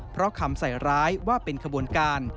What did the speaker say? เพราะคำใส่ร้ายว่าเป็นขบวนการ